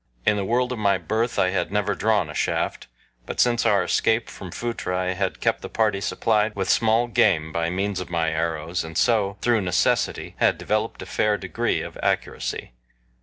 In the world of my birth I never had drawn a shaft, but since our escape from Phutra I had kept the party supplied with small game by means of my arrows, and so, through necessity, had developed a fair degree of accuracy.